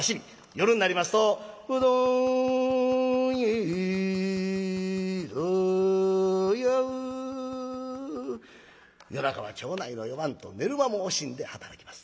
夜になりますと「うどんやえ」。夜中は町内の夜番と寝る間も惜しんで働きます。